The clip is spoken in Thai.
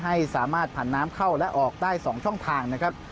ให้สามารถผ่านน้ำเข้าและออกได้๒ช่องทางนะครับ